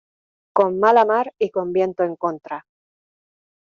con mala mar y con viento en contra